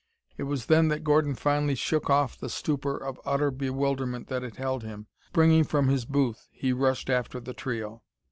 It was then that Gordon finally shook off the stupor of utter bewilderment that had held him. Springing from his booth, he rushed after the trio.